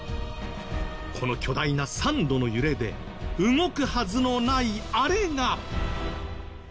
この巨大な３度の揺れで動くはずのないあれが。